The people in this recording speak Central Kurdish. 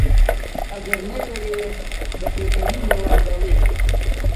ئەگەر نەیەوێ بە پێکەنینەوە دەڵێ: